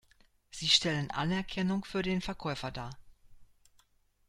Sie stellen Anerkennung für den Verkäufer dar.